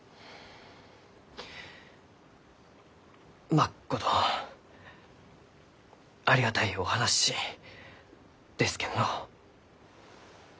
まっことありがたいお話ですけんど。